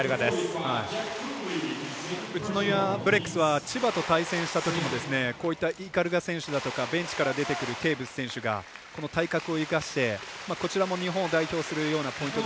宇都宮ブレックスは千葉と対戦したときもこういった鵤選手だとかベンチから出てくるテーブス選手が体格を生かしてこちらも日本を代表するようなポイント